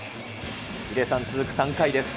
ヒデさん、続く３回です。